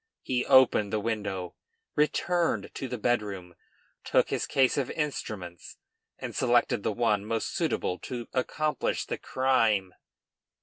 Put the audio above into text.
He opened the window, returned to the bedroom, took his case of instruments, and selected the one most suitable to accomplish the crime.